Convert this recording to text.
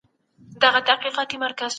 ټایپنګ د کمپیوټر الفبا ده.